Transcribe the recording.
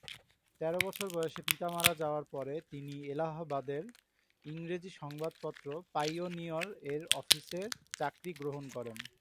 তের বছর বয়সে পিতা মারা যাওয়ার পরে তিনি এলাহাবাদের ইংরেজি সংবাদপত্র "পাইওনিয়র"-এর অফিসে চাকরি গ্রহণ করেন।